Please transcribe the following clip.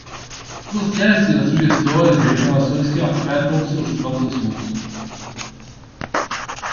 Processe as sugestões e reclamações que afetam seus próprios assuntos.